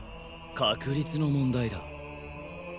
確率の問題だ